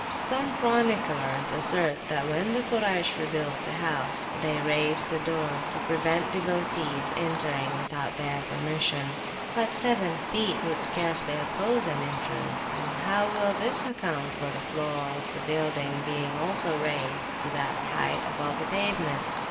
Some chroniclers assert, that when the Kuraysh rebuilt the house they raised the door to prevent devotees entering without their permission. But seven feet would scarcely oppose an entrance, and how will this account for the floor of the building being also raised to that height above the pavement?